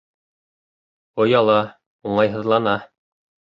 Ояла, уңайһыҙлана.